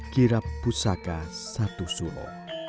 kirap pusaka satu suno